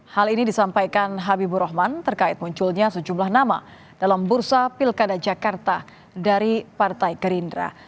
hal ini disampaikan habibur rahman terkait munculnya sejumlah nama dalam bursa pilkada jakarta dari partai gerindra